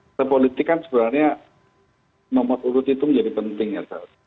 partai politik kan sebenarnya nomor urut itu menjadi penting ya